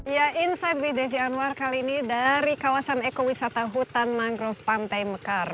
ya insight with desi anwar kali ini dari kawasan ekowisata hutan mangrove pantai mekar